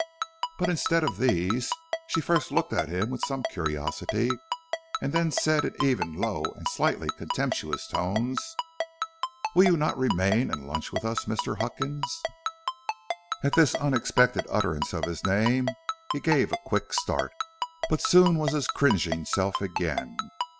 But instead of these, she first looked at him with some curiosity, and then said in even, low, and slightly contemptuous tones: "Will you not remain and lunch with us, Mr. Huckins?" At this unexpected utterance of his name he gave a quick start, but soon was his cringing self again.